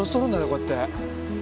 こうやって。